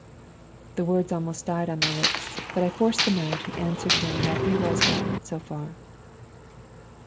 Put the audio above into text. "The words almost died on my lips; but I forced them out, and answered him that he was right so far.